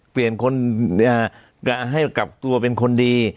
เปลี่ยนคนให้กลับตัวเป็นคนดี